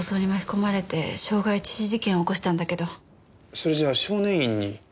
それじゃあ少年院に？